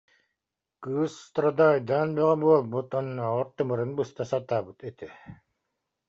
Кыыс страдайдаан бөҕө буолбут, оннооҕор тымырын быста сатаабыт этэ